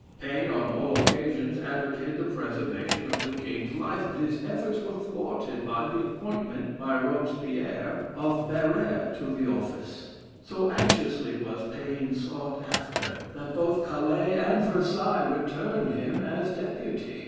Paine, on all occasions, advocated the preservation of the King's life but his efforts were thwarted by the appointment, by Robespierre, of Barrere to office. So anxiously was Paine sought after, that both Calais and Versailles returned him as Deputy.